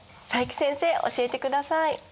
佐伯先生教えてください！